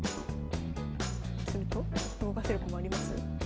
すると動かせる駒あります？